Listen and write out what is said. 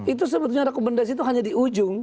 itu sebetulnya rekomendasi itu hanya di ujung